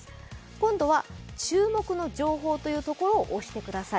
今度は「注目の情報」というところを押してください。